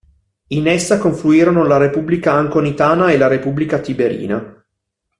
In essa confluirono la Repubblica Anconitana e la Repubblica Tiberina.